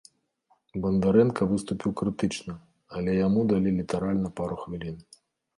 Бандарэнка выступіў крытычна, але яму далі літаральна пару хвілін.